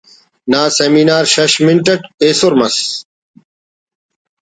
نا سیمینار شش minute it ایسر مس